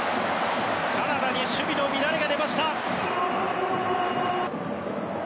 カナダに守備の乱れが出ました。